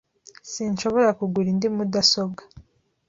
Sinshobora kugura indi mudasobwa